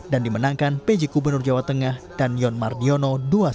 dan dimenangkan pj gubernur jawa tengah dan yonmar diono dua satu